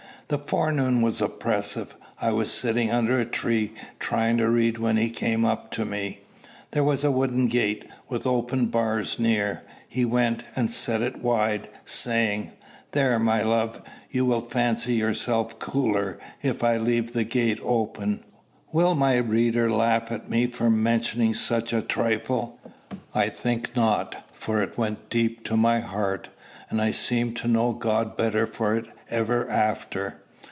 The forenoon was oppressive. I was sitting under a tree, trying to read when he came up to me. There was a wooden gate, with open bars near. He went and set it wide, saying, "There, my love! You will fancy yourself cooler if I leave the gate open." Will my reader laugh at me for mentioning such a trifle? I think not, for it went deep to my heart, and I seemed to know God better for it ever after.